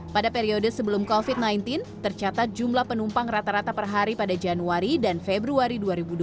pada periode sebelum covid sembilan belas tercatat jumlah penumpang rata rata per hari pada januari dan februari dua ribu dua puluh satu